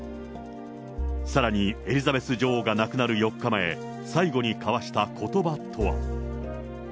さらにエリザベス女王が亡くなる４日前、最後に交わしたことばとは。